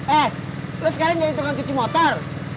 eh terus sekarang jadi tukang cuci motor